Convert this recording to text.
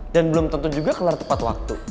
dan belum tentu juga kelar tepat waktu